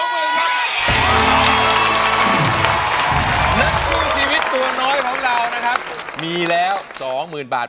นักสู้ชีวิตตัวน้อยของเรานะครับมีแล้ว๒๐๐๐บาท